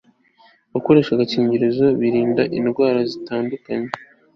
gukoresha agakingirizo birinda indwara zitandukanye